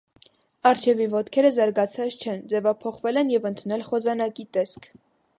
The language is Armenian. Առջևի ոտքերը զարգացած չեն. ձևափոխվել են և ընդունել խոզանակի տեսք։